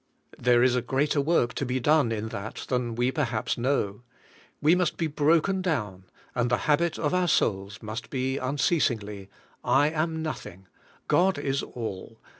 There is a greater work to be done in that than we perhaps know. We must be broken down, and the habit of our souls must be unceasingly: '•I am nothing; God is all.